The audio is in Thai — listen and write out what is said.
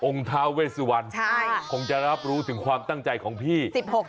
ท้าเวสวันคงจะรับรู้ถึงความตั้งใจของพี่